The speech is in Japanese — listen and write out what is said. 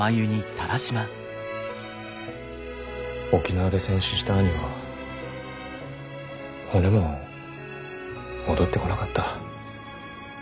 沖縄で戦死した兄は骨も戻ってこなかった。